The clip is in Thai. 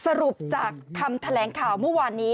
สรุปจากคำแถลงข่าวเมื่อวานนี้